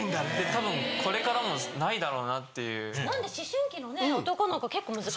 多分これからもないだろうなっていう。